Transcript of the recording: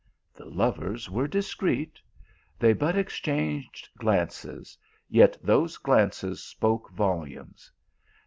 The lovers were discreet : they but exchanged glances, yet those glances spoke volumes.